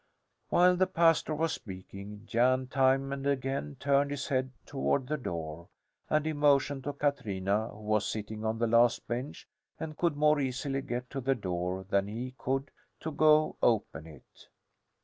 While the pastor was speaking Jan time and again turned his head toward the door and he motioned to Katrina, who was sitting on the last bench and could more easily get to the door than he could, to go open it.